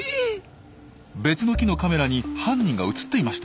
別の木のカメラに犯人が映っていました。